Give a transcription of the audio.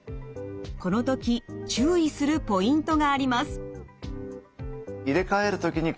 この時注意するポイントがあります。